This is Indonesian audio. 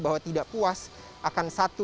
jika ada pihak pihak yang mencari pemilu